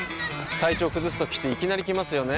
体調崩すときっていきなり来ますよね。